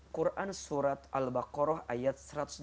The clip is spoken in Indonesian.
quran surat al baqarah ayat satu ratus dua puluh